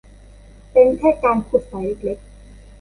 เป็นแค่การขุดไฟเล็ก ๆ